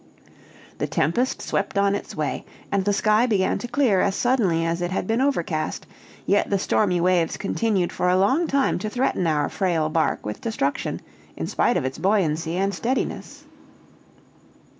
The tempest swept on its way, and the sky began to clear as suddenly as it had been overcast; yet the stormy waves continued for a long time to threaten our frail bark with destruction, in spite of its buoyancy and steadiness.